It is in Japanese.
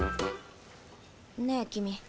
ねえ君。